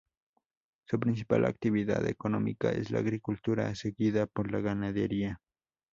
Su principal actividad económica es la agricultura, seguida por la ganadería.